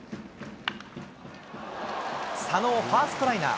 佐野をファーストライナー。